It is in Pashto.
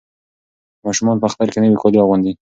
ماشومان په اختر کې نوي کالي اغوندي.